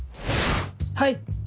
はい。